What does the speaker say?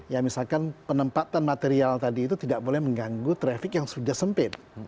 ya misalkan penempatan material tadi itu tidak boleh mengganggu traffic yang sudah sempit